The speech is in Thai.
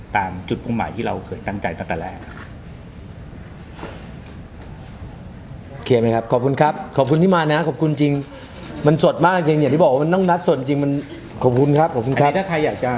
ตามจุดตรงหมายที่เราเคยตั้งใจตั้งแต่แรกครับ